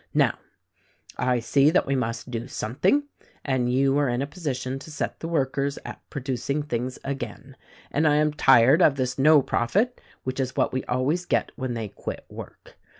Now, I see that we must do something, and you are in a position to set the workers at producing things again — and I am tired of this no profit, which is what we always get when they quit work.